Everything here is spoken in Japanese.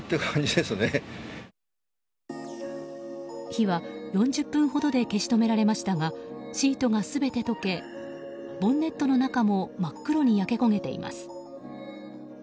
火は４０分ほどで消し止められましたがシートが全て溶けボンネットの中も真っ黒に焼け焦げています。